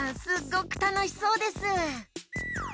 すっごくたのしそうです。